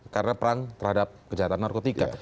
karena perang terhadap kejahatan narkotika